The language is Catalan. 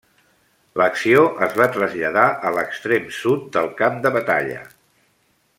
L'acció es va traslladar a l'extrem sud del camp de batalla.